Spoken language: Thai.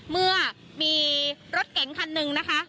เมื่อมีรถเก๋งคันหนึ่งนะคะ